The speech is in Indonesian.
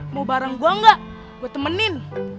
mau bareng gue gak gue temenin